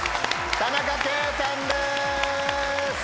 田中圭さんです。